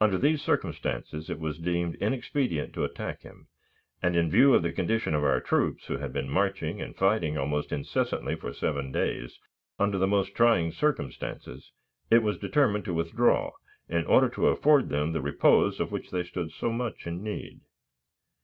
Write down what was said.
Under these circumstances it was deemed inexpedient to attack him; and, in view of the condition of our troops, who had been marching and fighting almost incessantly for seven days, under the most trying circumstances, it was determined to withdraw, in order to afford to them the repose of which they stood so much in need.